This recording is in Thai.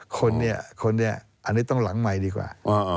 คนเนี่ยคนนี้อันนี้ต้องหลังใหม่ดีกว่า